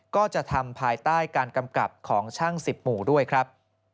ก็จะทำภายใต้การกำกับของช่าง๑๐หมู่ด้วยครับ